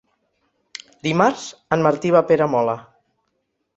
Dimarts en Martí va a Peramola.